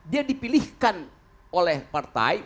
dia dipilihkan oleh partai